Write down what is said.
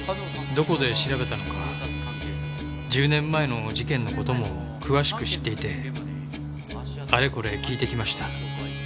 どこで調べたのか１０年前の事件の事も詳しく知っていてあれこれ聞いてきました。